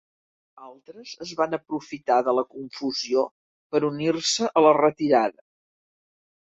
Altres es van aprofitar de la confusió per unir-se a la retirada.